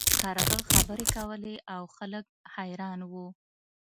کارغه خبرې کولې او خلک حیران وو.